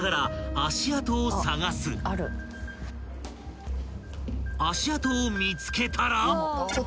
［足跡を見つけたら］